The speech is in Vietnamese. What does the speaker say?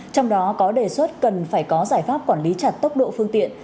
trong đó có đề xuất cần phải có giải pháp quản lý chặt tốc độ phương tiện